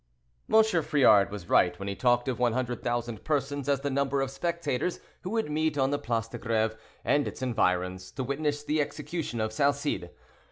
M. Friard was right when he talked of 100,000 persons as the number of spectators who would meet on the Place de Greve and its environs, to witness the execution of Salcede.